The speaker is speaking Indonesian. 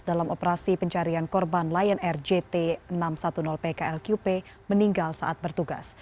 dalam operasi pencarian korban lion air jt enam ratus sepuluh pklqp meninggal saat bertugas